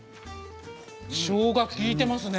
しょうがが利いていますね。